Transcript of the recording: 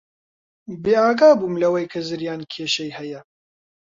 بێئاگا بووم لەوەی کە زریان کێشەی هەیە.